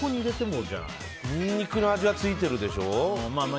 ニンニクの味がついてるでしょ。